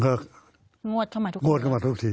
งวดเข้ามาทุกที